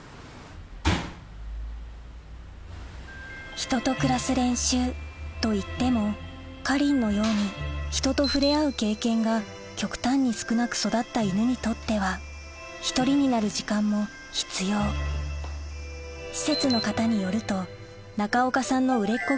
人と暮らす練習といってもかりんのように人と触れ合う経験が極端に少なく育った犬にとっては１人になる時間も必要施設の方によると中岡さん